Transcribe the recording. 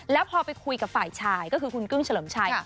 แล้วพอไปคุยกับฝ่ายชายก็คือคุณกึ้งเฉลิมชัย